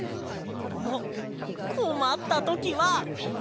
あっこまったときは。